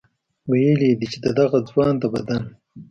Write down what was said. ویلي دي چې د دغه ځوان د بدن